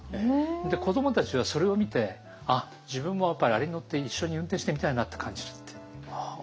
で子どもたちはそれを見て「あっ自分もやっぱりあれに乗って一緒に運転してみたいな」って感じるって。